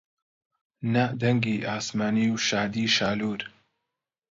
نە دەنگی ئاسمانی و شادیی شالوور